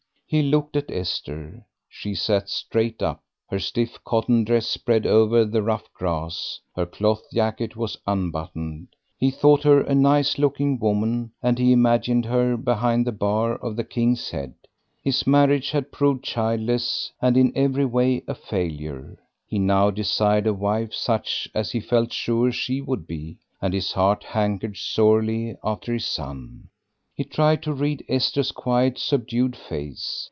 He looked at Esther; she sat straight up, her stiff cotton dress spread over the rough grass; her cloth jacket was unbuttoned. He thought her a nice looking woman and he imagined her behind the bar of the "King's Head." His marriage had proved childless and in every way a failure; he now desired a wife such as he felt sure she would be, and his heart hankered sorely after his son. He tried to read Esther's quiet, subdued face.